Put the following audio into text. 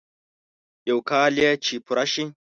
يو کال يې چې پوره شي.